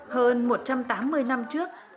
hơn một trăm tám mươi năm trước